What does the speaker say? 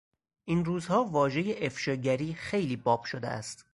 این روزها واژهی افشاگری خیلی باب شده است.